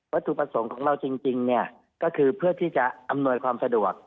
ถูกประสงค์ของเราจริงเนี่ยก็คือเพื่อที่จะอำนวยความสะดวก